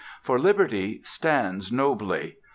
For Liberty stands nobly.